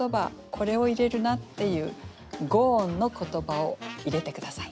これを入れるなっていう五音の言葉を入れて下さい。